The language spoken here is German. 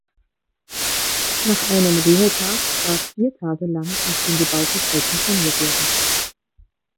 Nach einem Ruhetag darf vier Tage lang auf den gebauten Strecken trainiert werden.